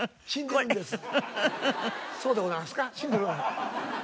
死んでるそうでございますか？